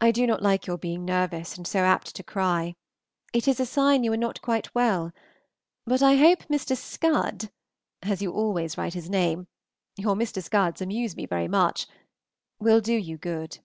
I do not like your being nervous, and so apt to cry, it is a sign you are not quite well; but I hope Mr. Scud as you always write his name (your Mr. Scuds amuse me very much) will do you good.